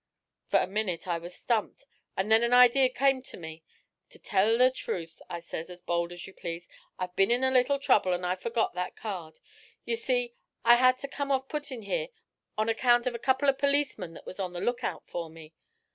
'For a minit I was stumped, an' then an idee come to me. "Ter tell the truth," I says, as bold as you please, "I've been in a little trouble, an' I forgot that card. You see, I had to put off comin' here on account of a couple of perlecemen that was on the look out fer me.